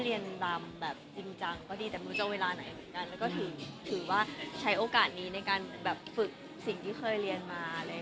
เลี่ยนลำแบบจริงจักก็ดีว่าาาานะอีกแล้วก็ถึงว่าใช้โอกาสนี้ในการบรรพฟึกที่เคยเลี่ยงไหล่